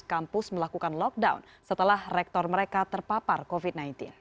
kampus melakukan lockdown setelah rektor mereka terpapar covid sembilan belas